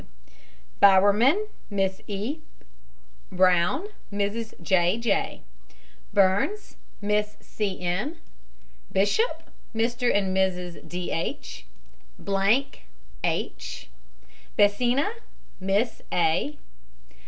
W. BOWERMAN, MISS E. BROWN, MRS. J. J. BURNS, MISS C. M. BISHOP, MR. AND MRS. D. H. BLANK, H. BESSINA, MISS A.